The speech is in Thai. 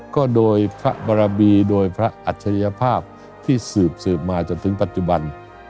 ก็โดยพระบรมีโดยพระอัจฉริยภาพที่สืบมาจนถึงปัจจุบัน